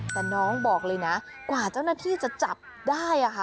แต่น้องบอกเลยนะกว่าเจ้าหน้าที่จะจับได้ค่ะ